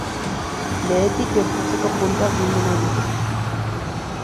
Behetik irtetzeko puntuak bildu nahi ditut.